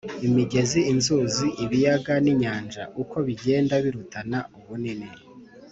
imigezi, inzuzi, ibiyaga n’inyanja uko bigenda birutana ubunini